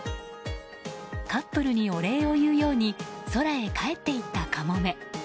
カップルにお礼を言うように空へ帰っていったカモメ。